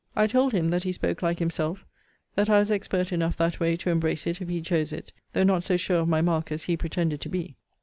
I told him, that he spoke like himself; that I was expert enough that way, to embrace it, if he chose it; though not so sure of my mark as he pretended to be.